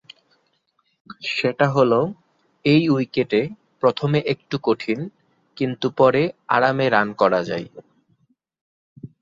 সেটা হলো এই উইকেটে প্রথমে একটু কঠিন, কিন্তু পরে আরামে রান করা যায়।